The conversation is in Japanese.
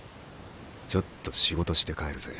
ちょっと仕事して帰るぜ。